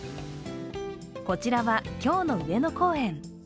こちらは今日の上野公園。